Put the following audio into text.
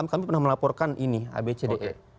kami pernah melaporkan ini abcd